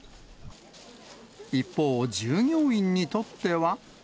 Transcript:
一方、従業員にとっては。